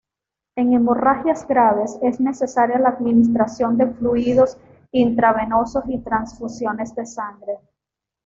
En hemorragias graves es necesaria la administración de fluidos intravenosos y transfusiones de sangre.